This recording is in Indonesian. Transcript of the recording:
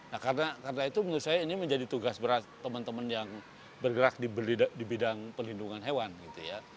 nah karena itu menurut saya ini menjadi tugas berat teman teman yang bergerak di bidang pelindungan hewan gitu ya